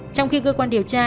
trong khi cơ quan điều tra